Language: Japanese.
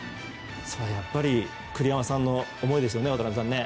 やっぱり栗山さんの思いですよね、渡辺さん。